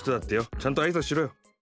ちゃんとあいさつしろよ。